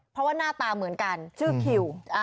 เพราะว่าหน้าตาเหมือนกันชื่อคิว